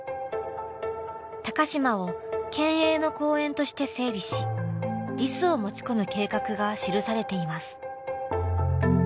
高島を県営の公園として整備しリスを持ち込む計画が記されています。